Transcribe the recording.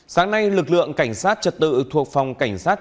sáng nay lực lượng cảnh sát trật tự thuộc phòng cảnh sát